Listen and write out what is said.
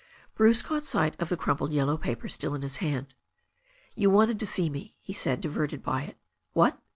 Bruce caught sight of the crumpled yellow paper, still in his hand. "You wanted to see me," he said, diverted by it. "What?"